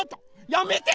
やめて！